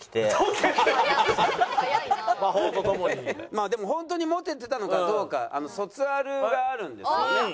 まあでもホントにモテてたのかどうか卒アルがあるんですよね？